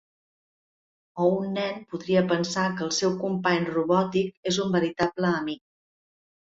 O un nen podria pensar que el seu company robòtic és un veritable amic.